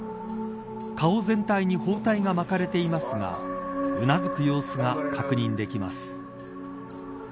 顔全体に包帯が巻かれていますがうなずく様子が確認できます。